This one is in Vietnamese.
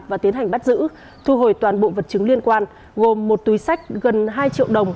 và tiến hành bắt giữ thu hồi toàn bộ vật chứng liên quan gồm một túi sách gần hai triệu đồng